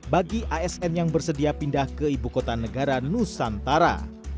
bagi asn yang bersedia pindah ke ibu kota negara nusantara